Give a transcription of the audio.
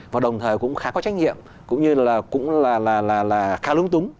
và đồng thời cũng khá có trách nhiệm cũng như là cũng khá lúng túng